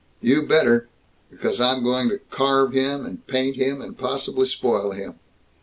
"You better! Because I'm going to carve him, and paint him, and possibly spoil him.